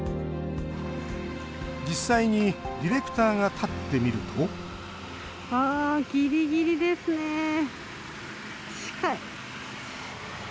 実際にディレクターが立ってみるとギリギリですね、近い。